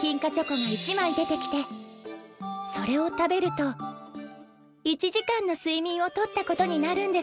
金貨チョコが一枚出てきてそれを食べると１時間のすいみんをとったことになるんです！